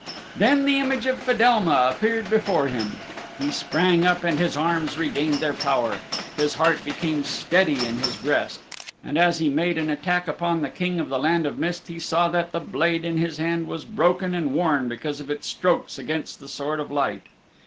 Then the image of Fedelma appeared before him. He sprang up and his arms regained their power. His heart became steady in his breast. And as he made an attack upon the King of the Land of Mist, he saw that the blade in his hand was broken and worn because of its strokes against the Sword of Light.